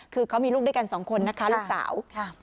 คือเขามีลูกด้วยกันสองคนนะคะลูกสาว